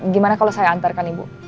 gimana kalau saya antarkan ibu